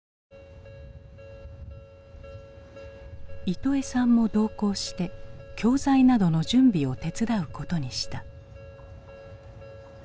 イトエさんも同行して教材などの準備を手伝うことにした。